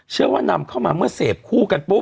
เชื่อว่านำเข้ามาเมื่อเสพคู่กันปุ๊